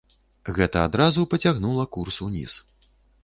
Гэта адразу пацягнула курс уніз.